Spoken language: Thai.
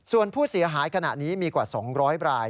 ส่วนผู้เสียหายขณะนี้มีกว่า๒๐๐ราย